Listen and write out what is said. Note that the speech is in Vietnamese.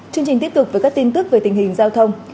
chương trình tiếp tục với các tin tức về tình hình giao thông